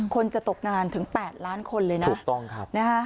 คนจะตกงานถึง๘ล้านคนเลยนะ